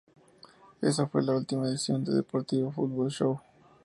Ésa fue la última edición de Deportivo Fútbol Show.